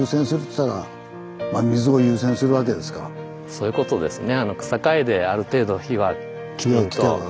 そういうことですね。